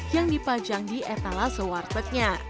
yang dipajang di etala sewarteknya